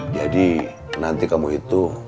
jadi nanti kamu itu